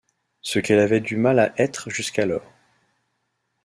Ce qu'elle avait du mal à être jusqu'alors.